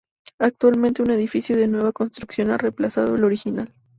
Actualmente un edificio de nueva construcción ha reemplazado al original.